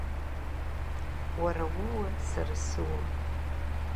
Уара ууа, сара суа…